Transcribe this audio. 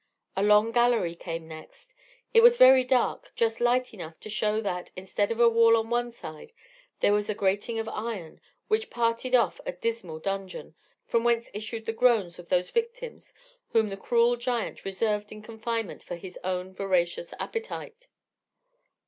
A long gallery came next; it was very dark just light enough to show that, instead of a wall on one side, there was a grating of iron which parted off a dismal dungeon, from whence issued the groans of those victims whom the cruel giant reserved in confinement for his own voracious appetite.